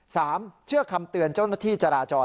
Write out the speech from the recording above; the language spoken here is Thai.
เชื่อคำเตือนเจ้าหน้าที่จราจร